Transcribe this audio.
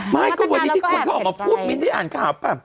ไม่ก็วันที่ที่คนเขาออกมาพูดมีนที่อ่านข้าว